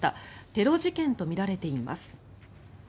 テロ事件とみられています。